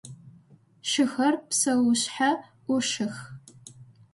Шыхэр псэушъхьэ ӏушых.